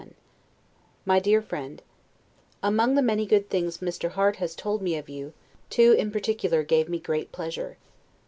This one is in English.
S. 1751 MY DEAR FRIEND: Among the many good things Mr. Harte has told me of you, two in particular gave me great pleasure.